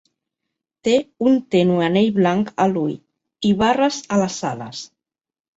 Té un tènue anell blanc a l'ull i barres a les ales.